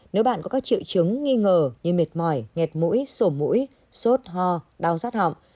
nếu bạn có các triệu chứng nghi ngờ như mệt mỏi ngẹt mũi sổ mũi sốt ho đau rát họng